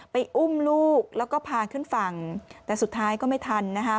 อุ้มลูกแล้วก็พาขึ้นฝั่งแต่สุดท้ายก็ไม่ทันนะคะ